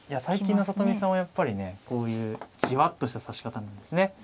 最近の里見さんはやっぱりねこういうじわっとした指し方なんですね。